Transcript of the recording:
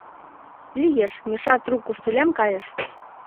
— Лиеш, — Миша трук куштылем кайыш.